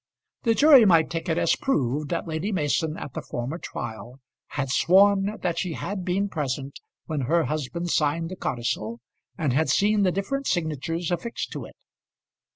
The jury might take it as proved that Lady Mason at the former trial had sworn that she had been present when her husband signed the codicil and had seen the different signatures affixed to it.